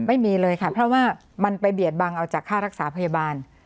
ไม่มีเลยค่ะเพราะว่ามันไปเบียดบังเอาจากค่ารักษาพยาบาล